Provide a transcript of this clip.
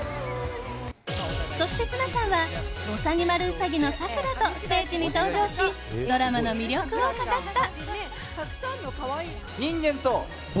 そして、綱さんはぼさにまるウサギのさくらとステージに登場しドラマの魅力を語った。